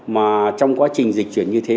mà trong quá trình dịch chuyển như thế